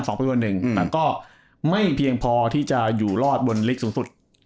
แต่ก็ไม่เพียงพอที่จะอยู่รอดบนลิกสูงสุด